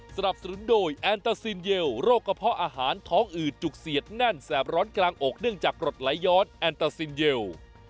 สนับสนุนโดยแอนตาซินเยลโรคกระเพาะอาหารท้องอืดจุกเสียดแน่นแสบร้อนกลางอกเนื่องจากกรดไหลย้อนแอนตาซินเยล